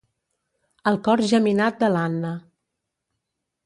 El cor geminat de l'Anna.